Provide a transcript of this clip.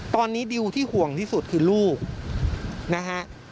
ตอนนี้ดิวที่ห่วงที่สุดคือลูกนะฮะ